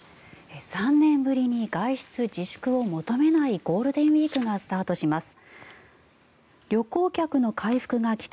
３年ぶりに外出自粛を求めないゴールデンウィークがスタートします。